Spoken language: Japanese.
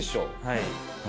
はい。